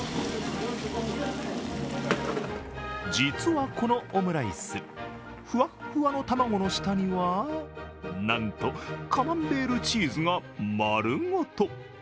実はこのオムライス、ふわっふわの卵の下にはなんとカマンベールチーズが丸ごと。